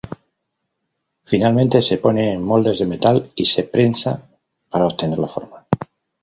Finalmente se pone en moldes de metal y se prensa para obtener la forma.